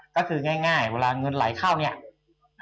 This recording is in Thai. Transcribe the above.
ก็คือเวลาเงินไหลร้าเงินเข้าเอง